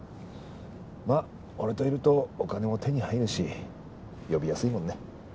まあ俺といるとお金も手に入るし呼びやすいもんね。